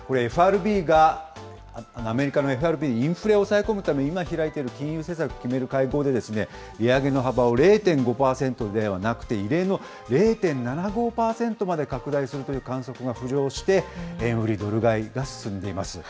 ＦＲＢが、アメリカのＦＲＢ、インフレを抑え込むために今開いている金融政策を決める会合で、利上げの幅を０．５％ではなくて、異例の０．８５％まで拡大するという観測が浮上して、円売りドル買いが進んでいます。